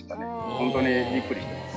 ホントにびっくりしてます。